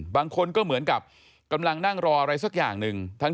บางคนก็เหมือนกับกำลังนั่งรออะไรสักอย่างหนึ่ง